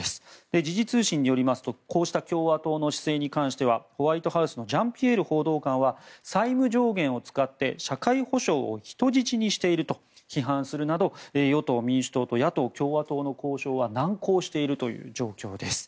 時事通信によりますとこうした共和党の姿勢に関してはホワイトハウスのジャンピエール報道官は債務上限を使って社会保障を人質にしていると批判するなど、与党・民主党と野党・共和党の交渉は難航しているという状況です。